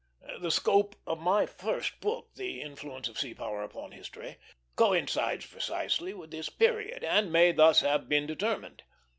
The scope of my first book, The Influence of Sea Power upon History, coincides precisely with this period, and may thus have been determined.